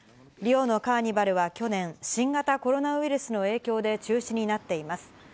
リオのカーニバルは去年、新型コロナウイルスの影響で中止になっています。